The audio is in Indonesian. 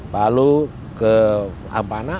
palu ke ampana